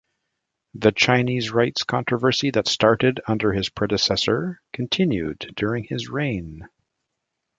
The Chinese Rites controversy that started under his predecessor continued during his reign.